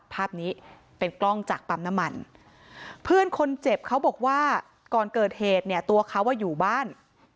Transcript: ภาพนี้เป็นกล้องจากปั๊มน้ำมันเพื่อนคนเจ็บเขาบอกว่าก่อนเกิดเหตุเนี่ยตัวเขาอยู่บ้าน